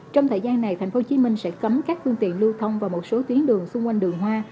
trong thời gian này tp hcm sẽ cấm các phương tiện lưu thông vào một số tuyến đường xung quanh đường hoa